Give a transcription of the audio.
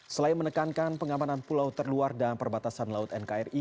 selain menekankan pengamanan pulau terluar dan perbatasan laut nkri